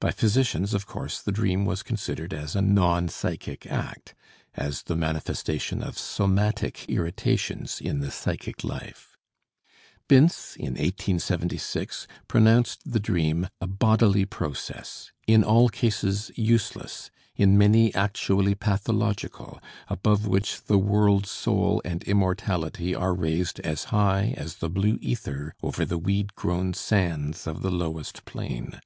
By physicians, of course, the dream was considered as a non psychic act, as the manifestation of somatic irritations in the psychic life. Binz (1876) pronounced the dream "a bodily process, in all cases useless, in many actually pathological, above which the world soul and immortality are raised as high as the blue ether over the weed grown sands of the lowest plain."